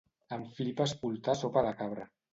Em flipa escoltar Sopa de Cabra.